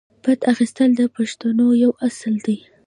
بدل اخیستل د پښتونولۍ یو اصل دی.